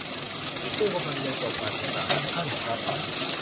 "ผู้กำลังจะจบการศึกษาทุกท่านครับ "